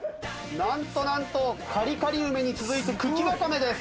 なんとなんとカリカリ梅に続いて茎わかめです。